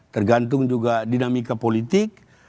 tergantung juga dinamika politik